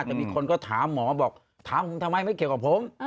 แต่มีคนก็ถามหมอบอกถามผมทำไมไม่เกี่ยวกับผม